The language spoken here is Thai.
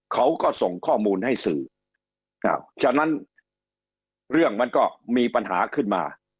เขาก็ส่งข้อมูลให้สื่อครับฉะนั้นเรื่องมันก็มีปัญหาขึ้นมา